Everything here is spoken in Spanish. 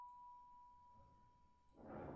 La cúpula está coronada con una cruz con una veleta.